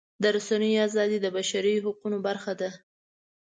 د رسنیو ازادي د بشري حقونو برخه ده.